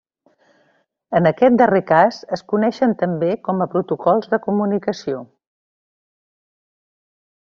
En aquest darrer cas es coneixen també com a protocols de comunicació.